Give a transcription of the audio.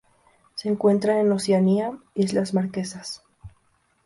Se encuentra en Oceanía: Islas Marquesas.